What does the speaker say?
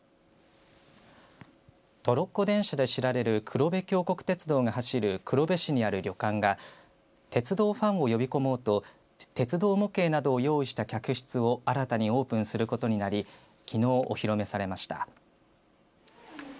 トロッコ電車で知られる黒部峡谷鉄道が走る黒部市にある旅館が鉄道ファンを呼び込もうと鉄道模型などを用意した客室を新たにオープンすることになりきのう、お披露目されました。